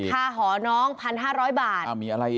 หอน้อง๑๕๐๐บาท